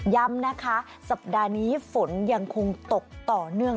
ย้ำนะคะสัปดาห์นี้ฝนยังคงตกต่อเนื่อง